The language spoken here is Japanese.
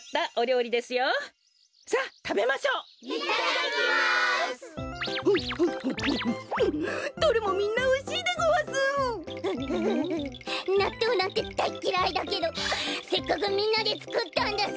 うううなっとうなんてだいっきらいだけどせっかくみんなでつくったんだし。